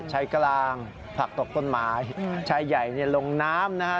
ใช้กะลางผลักตกต้นไม้ใช้ใหญ่ในลงน้ำนะฮะ